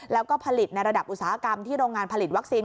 แล้วก็ผลิตในระดับอุตสาหกรรมที่โรงงานผลิตวัคซีน